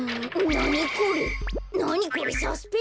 なにこれサスペンダー？